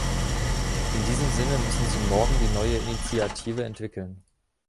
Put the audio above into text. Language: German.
In diesem Sinne müssen Sie morgen die neue Initiative entwickeln.